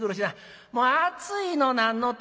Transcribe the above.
もう暑いの何のて」。